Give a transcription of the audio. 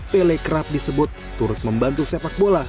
pele kerap disebut turut membantu sepak bola